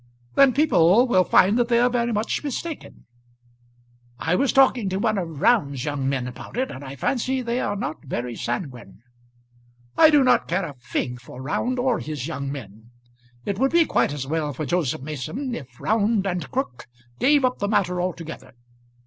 "Then people will find that they are very much mistaken." "I was talking to one of Round's young men about it, and I fancy they are not very sanguine." "I do not care a fig for Round or his young men. It would be quite as well for Joseph Mason if Round and Crook gave up the matter altogether.